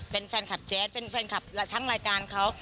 เป็นแฟนคลับแจ๊ดเป็นแฟนคลับทั้งรายการเขา